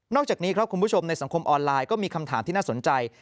อกจากนี้ครับคุณผู้ชมในสังคมออนไลน์ก็มีคำถามที่น่าสนใจ